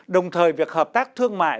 đồng thời việc hợp tác thương mại